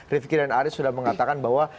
rifqi dan aris sudah mengatakan bahwa